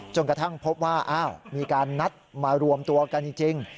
จนกระทั่งพบว่ามีการนัดมารวมตัวกันจริง